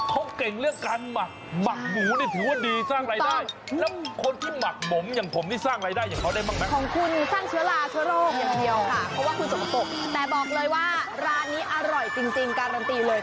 เพราะว่าคุณสมมติแต่บอกเลยว่าร้านนี้อร่อยจริงการันตีเลย